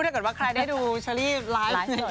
ถ้าเคยได้ดูเชอรี่ไลฟ์